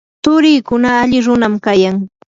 turiikuna alli runam kayan.